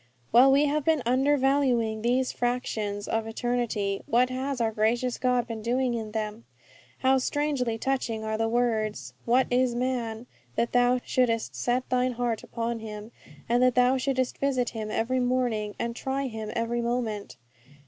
While we have been undervaluing these fractions of eternity, what has our gracious God been doing in them? How strangely touching are the words, 'What is man, that Thou shouldest set Thine heart upon him, and that Thou shouldest visit him every morning, and _try him every moment?